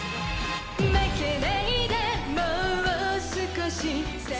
負けないでもう少し